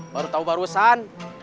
baru tahu barusan